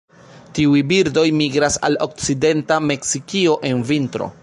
Tiuj birdoj migras al okcidenta Meksikio en vintro.